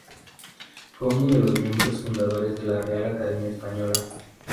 Fue uno de los miembros fundadores de la Real Academia Española.